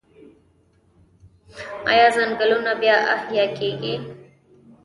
آیا ځنګلونه بیا احیا کیږي؟